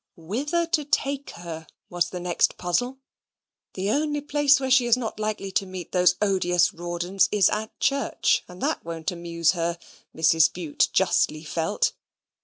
Whither to take her was the next puzzle. The only place where she is not likely to meet those odious Rawdons is at church, and that won't amuse her, Mrs. Bute justly felt.